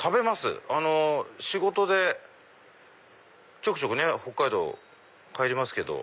仕事でちょくちょく北海道帰りますけど。